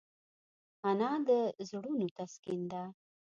انا د زړونو تسکین ده